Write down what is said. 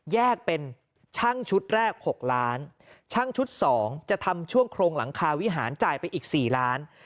แยกเป็นช่างชุดแรก๖ล้านช่างชุด๒จะทำช่วงโครงหลังคาวิหารจ่ายไปอีก๔ล้าน